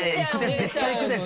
絶対行くでしょ。